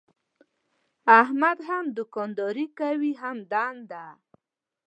احمد هم دوکانداري کوي هم دنده.